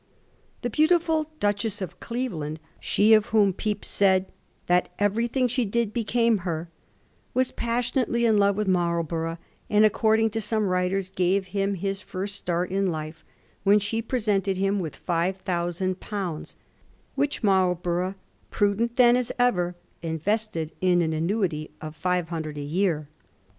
The beautiful Duchess of Cleveland, she of whom Pepys said ^ that everything she did became her,' was passionately in love with Marlborough, and, according to some writers, gave him his first start in life when she presented him with five thousand pounds, which Marlborough, pru dent then as ever, invested in an annuity of five hundred a year.